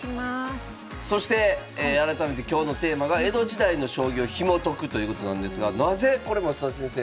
そして改めて今日のテーマが江戸時代の将棋をひも解くということなんですがなぜこれ増田先生